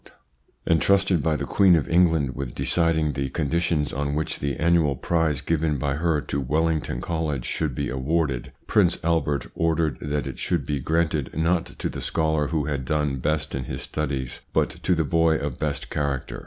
Pursuing his inquiry, he will soon recognise that this 1 Entrusted by the Queen of England with deciding the conditions on which the annual prize given by her to Wellington College should be awarded, Prince Albert ordered that it should be granted not to the scholar who had done best in his studies, but to the boy of best character.